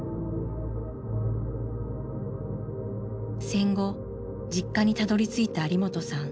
戦後実家にたどりついた有元さん。